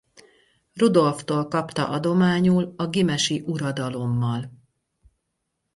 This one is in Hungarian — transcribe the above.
Rudolftól kapta adományul a gímesi uradalommal.